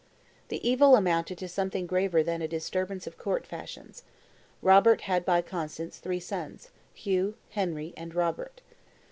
The evil amounted to something graver than a disturbance of court fashions. Robert had by Constance three sons, Hugh, Henry, and Robert.